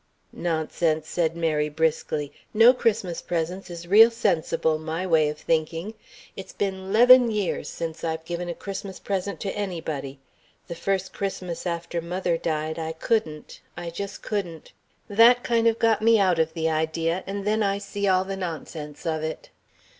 "Nonsense," said Mary, briskly; "no Christmas presents is real sensible, my way of thinking. It's been 'leven years since I've given a Christmas present to anybody. The first Christmas after mother died, I couldn't I just couldn't. That kind of got me out of the idea, and then I see all the nonsense of it."